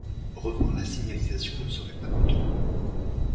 Revoir la signalisation ne serait pas coûteux.